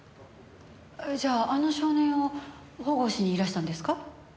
じゃああの少年を保護しにいらしたんですか？